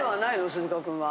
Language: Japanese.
鈴鹿君は。